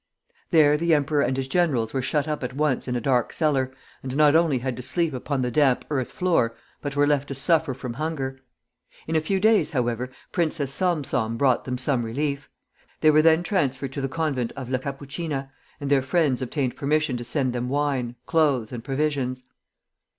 There the emperor and his generals were shut up at once in a dark cellar, and not only had to sleep upon the damp earth floor, but were left to suffer from hunger. In a few days, however, Princess Salm Salm brought them some relief. They were then transferred to the convent of La Capuchina, and their friends obtained permission to send them wine, clothes, and provisions.